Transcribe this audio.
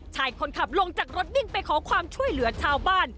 ชายคนขับลงจากรถวิ่งไปขอความช่วยเหลือชาวบ้าน